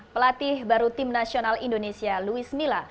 pelatih baru tim nasional indonesia luis mila